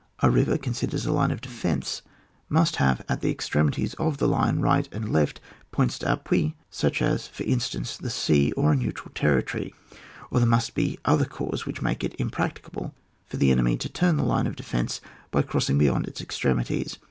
A nver, considered as a line of defence, must have at the extremities of the line, right and left,^om^ d'appui, such as, for instance, the sea, or a neutral territory ; or there must be other causes which make it impracticable for the enemy to turn the line of defence by crossing beyond its extremities.